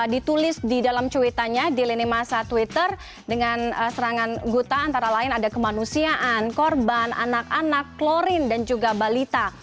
ditulis di dalam cuitannya di lini masa twitter dengan serangan guta antara lain ada kemanusiaan korban anak anak klorin dan juga balita